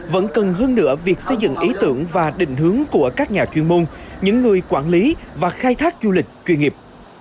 vẫn cần hơn nữa việc xây dựng ý tưởng và định hướng của các nhà chuyên môn những người quản lý và khai thác du lịch chuyên nghiệp